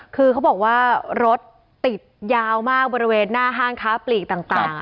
คือเขาบอกว่ารถติดยาวมากบริเวณหน้าห้างค้าปลีกต่าง